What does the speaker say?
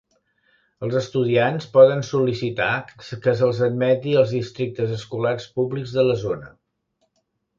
Els estudiants poden sol·licitar que se'ls admeti als districtes escolars públics de la zona.